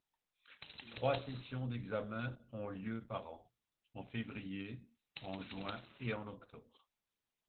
Trois sessions d'examen ont lieu par an, en février, en juin et en octobre.